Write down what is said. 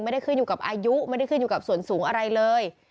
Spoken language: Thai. ไม่ได้ขึ้นอยู่กับอายุไม่ได้ขึ้นอยู่กับส่วนสูงอะไรเลย